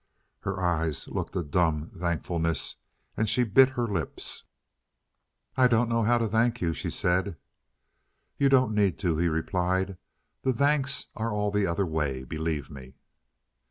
Her eyes looked a dumb thankfulness, and she bit her lips. "I don't know how to thank you," she said. "You don't need to," he replied. "The thanks are all the other way—believe me."